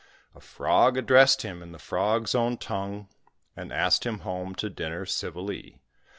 A Frog addressed him in the Frog's own tongue, And asked him home to dinner civilly.